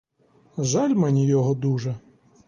Жаль мені його дуже!